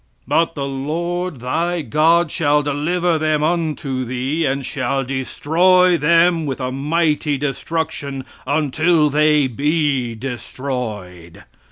"But the Lord thy God shall deliver them unto thee, and shall destroy them with a mighty destruction, until they be destroyed.